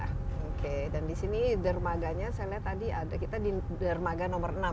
oke dan disini dermaganya saya lihat tadi ada kita di dermaga nomor enam ya